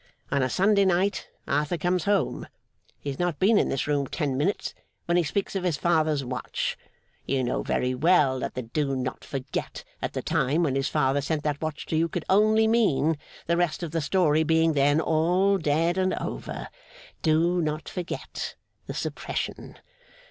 On a Sunday night, Arthur comes home. He has not been in this room ten minutes, when he speaks of his father's watch. You know very well that the Do Not Forget, at the time when his father sent that watch to you, could only mean, the rest of the story being then all dead and over, Do Not Forget the suppression.